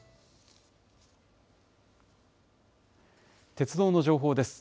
鉄道の情報です。